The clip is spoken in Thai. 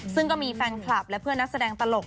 ซึ่งก็มีแฟนคลับและเพื่อนนักแสดงตลก